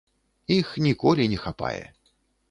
Іх ніколі не хапае.